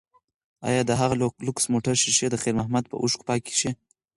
ایا د هغه لوکس موټر ښیښې د خیر محمد په اوښکو پاکې شوې؟